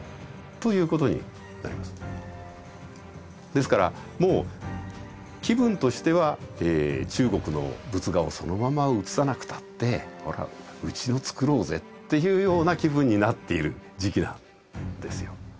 ですからもう気分としては「中国の仏画をそのまま写さなくたってほらうちの作ろうぜ」っていうような気分になっている時期なんですよ。